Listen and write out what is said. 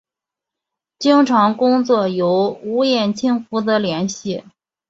经常工作由吴衍庆负责联系。